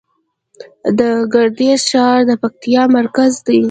د ګردیز ښار د پکتیا مرکز دی